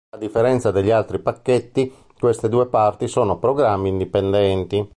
A differenza degli altri pacchetti, queste due parti sono programmi indipendenti.